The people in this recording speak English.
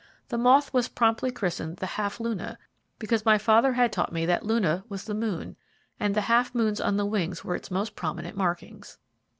The moth was promptly christened the Half luna, because my father had taught me that luna was the moon, and the half moons on the wings were its most prominent markings.